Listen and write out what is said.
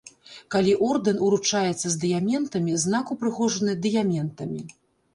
Калі ордэн уручаецца з дыяментамі, знак упрыгожаны дыяментамі.